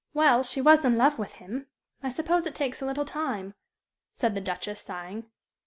"Well, she was in love with him. I suppose it takes a little time," said the Duchess, sighing.